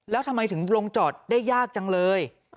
แล้วทำไมถึงลงจอดได้ยากจังเลย